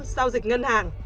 giao dịch ngân hàng